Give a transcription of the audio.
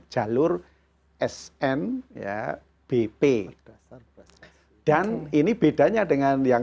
jalur sn ya bp dan ini bedanya dengan yang